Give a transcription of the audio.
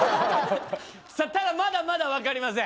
ただまだまだわかりません。